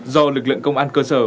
do lực lượng công an cơ sở